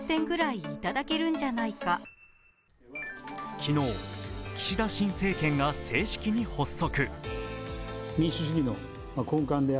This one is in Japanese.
昨日、岸田新政権が正式に発足。